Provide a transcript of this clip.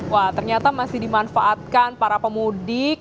wah ternyata masih dimanfaatkan para pemudik